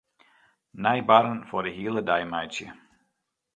Nij barren foar de hiele dei meitsje.